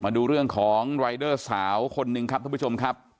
ดูเรื่องของรายเดอร์สาวคนหนึ่งครับทุกผู้ชมครับ